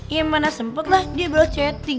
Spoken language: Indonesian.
ya mana sempet lah dia balas chatting